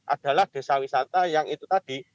adalah desa wisata yang itu tadi